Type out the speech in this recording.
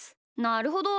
なるほど。